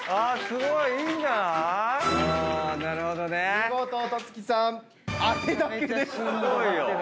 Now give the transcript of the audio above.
すごいよ。